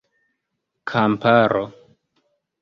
kamparo